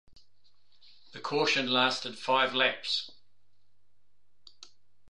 The caution lasted five laps.